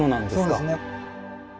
そうですね。